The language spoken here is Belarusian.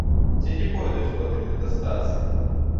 Ці не пойдуць потым метастазы?